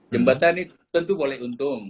jembatan itu tentu boleh untung